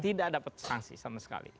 tidak dapat sanksi sama sekali